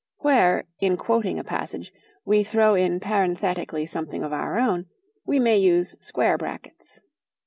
Where, in quoting a passage, we throw in parenthetically something of our own, we may use square brackets.